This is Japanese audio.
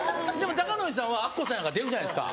孝則さんはアッコさんやから出るじゃないですか。